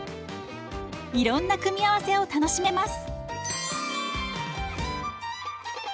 いろんな組み合わせを楽しめます。